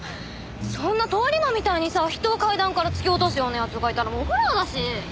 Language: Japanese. そんな通り魔みたいにさ人を階段から突き落とすような奴がいたらもうホラーだし。